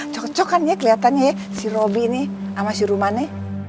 cocokan ya kelihatannya ya si robby nih sama si rumana